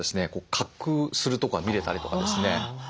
滑空するとこが見れたりとかですね。